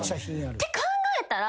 って考えたら。